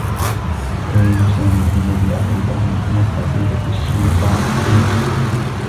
يريد سامي أن يبيع كلبه من فصيلة الشّيبا إينو.